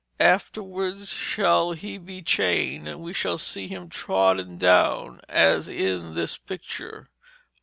Afterwards shall he be chained, and we shall see him trodden down as in this picture.'